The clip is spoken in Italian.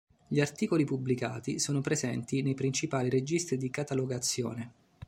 Gli articoli pubblicati sono presenti nei principali registri di catalogazione.